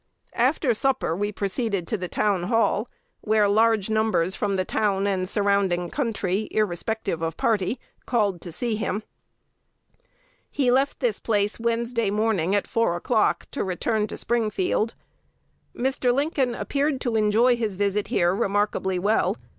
After supper he proceeded to the Town Hall, where large numbers from the town and surrounding country, irrespective of party, called to see him. "He left this place Wednesday morning at four o'clock to return to Springfield.... Mr. Lincoln appeared to enjoy his visit here remarkably well.